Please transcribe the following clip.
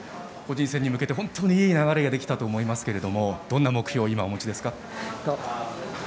個人戦に向けて、本当にいい流れができたと思いますがどんな目標を今、お持ちですか？